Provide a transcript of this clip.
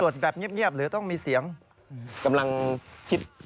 ต้องสวดแบบเงียบเงียบหรือต้องมีเสียงกำลังคิด